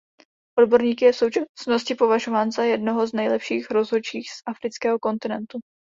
Odborníky je v současnosti považován za jednoho z nejlepších rozhodčích z afrického kontinentu.